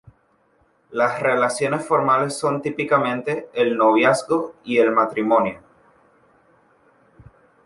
Las relaciones formales son típicamente el noviazgo y el matrimonio.